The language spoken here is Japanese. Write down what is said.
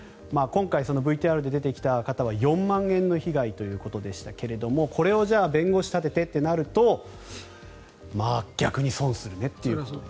今回、ＶＴＲに出てきた方は４万円の被害ということでしたがこれを弁護士を立ててとなると逆に損するねという。